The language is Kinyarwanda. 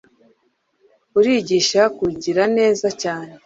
urigisha kugira neza cyane